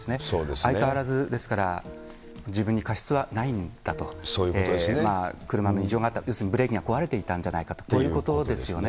相変わらず、自分に過失はないんだと、車に異常があった、要するにブレーキが壊れていたんじゃないかということですよね。